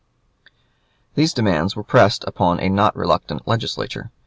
] These demands were pressed upon a not reluctant Legislature.